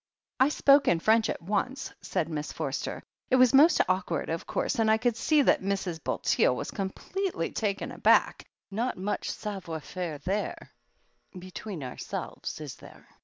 1 spoke in French at once," said Miss Forster. "It was most awkward, of course — and I could see that Mrs. Bulteel was completely taken aback. Not much savoir faire there, between ourselves, is there